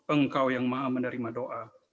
engkau yang maha menerima doa